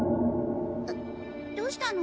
どうしたの？